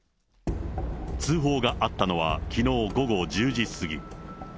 通報があったのはきのう午後１０時過ぎ。